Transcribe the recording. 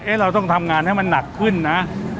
เราต้องทำงานให้มันหนักขึ้นนะ